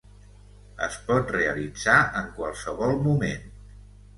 Es pot realitzar en qualsevol moment.